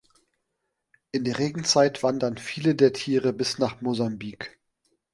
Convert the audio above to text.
In der Regenzeit wandern viele der Tiere bis nach Mosambik.